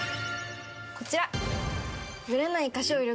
こちら。